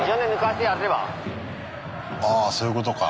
ああそういうことか。